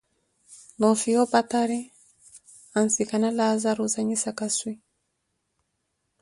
Noofiya opatari ansikana Laazaru oozanyisaka swi.